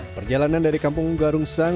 perjalanan dari kampung garungsang